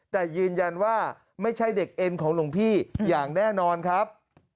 แต่ยืนยันว่าไม่ใช่เด็กเอ็นของหลวงพี่อย่างแน่นอนครับ